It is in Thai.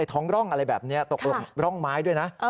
ท้องร่องอะไรแบบนี้ตกลงร่องไม้ด้วยนะ